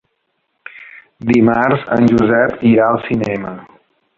Dimarts en Josep irà al cinema.